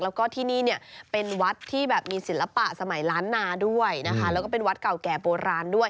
แล้วที่นี้เป็นวัดที่มีศิลปะสมัยล้านนาและเป็นวัดก่ำแก่โบราณ